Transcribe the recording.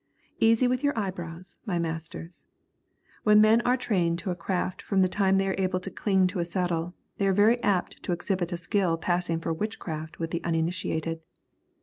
Easy with your eyebrows, my masters. When men are trained to a craft from the time they are able to cling to a saddle, they are very apt to exhibit a skill passing for witchcraft with the uninitiated.